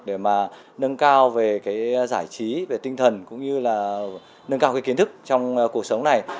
để mà nâng cao về cái giải trí về tinh thần cũng như là nâng cao cái kiến thức trong cuộc sống này